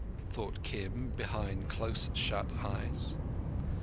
thought Kim, behind close shut eyes.